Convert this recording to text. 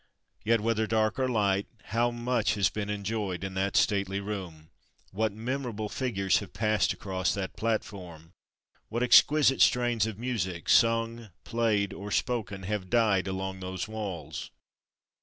Yet, whether dark or light, how much has been enjoyed in that stately room! What memorable figures have passed across that platform! What exquisite strains of music, sung, played, or spoken, have died along those walls!